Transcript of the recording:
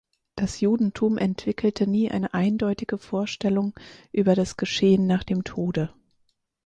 Das Judentum entwickelte nie eine eindeutige Vorstellung über das Geschehen nach dem Tode.